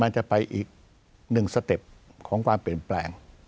จะไปอีกหนึ่งสเต็ปของความเปลี่ยนแปลง